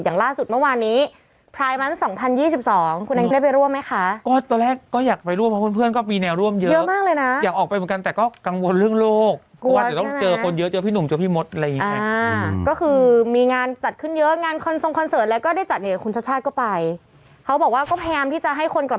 อย่างล่าสุดแล้ววันนี้